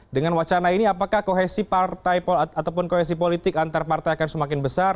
dengan wacana ini apakah kohesi politik antar partai akan semakin besar